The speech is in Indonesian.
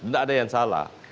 nggak ada yang salah